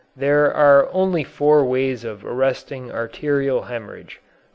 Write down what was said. There are only four ways of arresting arterial hemorrhage.